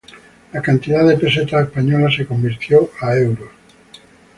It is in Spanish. la cantidad de pesetas españolas se convirtió a euros